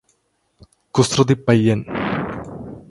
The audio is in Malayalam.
കുസൃതി പയ്യൻ